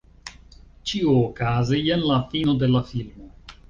Ĉiuokaze jen la fino de la filmo.